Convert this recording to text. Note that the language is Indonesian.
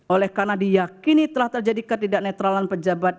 oleh karena diyakini telah terjadi ketidaknetralan pejabat